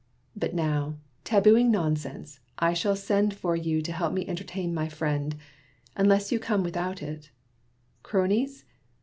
But now, tabooing nonsense, I shall send For you to help me entertain my friend, Unless you come without it. 'Cronies?'